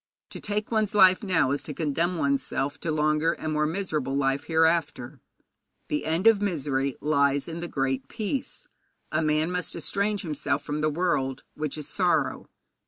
To take one's life now is to condemn one's self to longer and more miserable life hereafter. The end of misery lies in the Great Peace. A man must estrange himself from the world, which is sorrow.